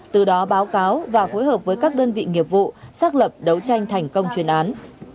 từ đó báo cáo và phối hợp với các đơn vị nghiệp vụ xác lập đấu tranh thành công chuyên án